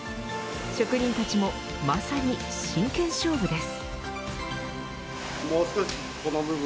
職人たちもまさに真剣勝負です。